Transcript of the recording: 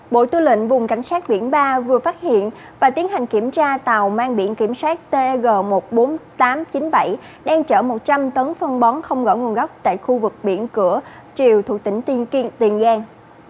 bộ tư lệnh vùng cảnh sát biển ba vừa phát hiện và tiến hành kiểm tra tàu mang biển kiểm soát tg một mươi bốn nghìn tám trăm chín mươi bảy đang chở một trăm linh tấn phân bón không rõ nguồn gốc tại khu vực biển cửa chiều thuộc tỉnh tiên kiên tiền giang